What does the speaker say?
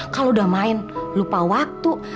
kalau udah main lupa waktu